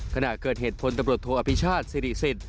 ขณะเกิดเหตุพลตำรวจโทอภิชาติสิริสิต